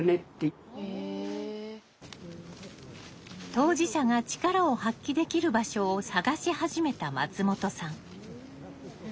当事者が力を発揮できる場所を探し始めた松本さん。